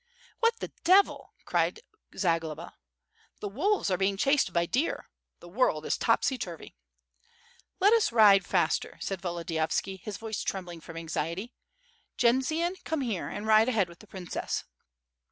"What the devil!" cried Zagloba. "The wolves. are being chased by deer. The world is topsy turvy." "Let us ride faster," said Volodiyovski, his voice trembling from^ anxiety, "Jendzian, come here, and ride ahead*with the princess."